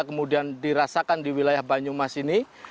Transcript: kemudian dirasakan di wilayah banyumas ini